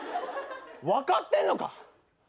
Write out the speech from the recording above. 分かってんのか！？